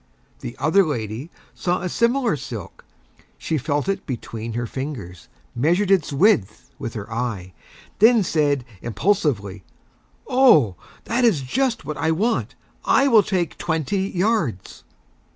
The Other Lady saw a similar Silk. She felt it Between her Fingers, Measured its Width with her Eye, and then said Impulsively, "Oh, That is just What I Want. I will Take Twenty Yards."